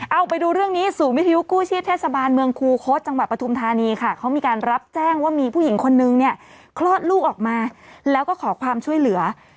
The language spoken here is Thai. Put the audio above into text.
เอาไปดูเรื่องนี้ศูนย์วิทยุกู้ชีพเทศบาลเมืองคูคศจังหวัดปฐุมธานีค่ะเขามีการรับแจ้งว่ามีผู้หญิงคนนึงเนี่ยคลอดลูกออกมาแล้วก็ขอความช่วยเหลือ